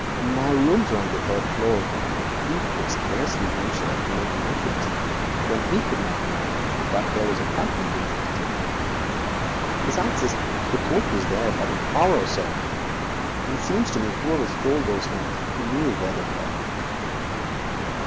My rooms are on the third floor, and a thief would scarcely venture to make an entrance when he could not but know there was a company being entertained. Besides this, the coat was there less than an hour, and it appears to me that whoever stole those notes knew where they were.'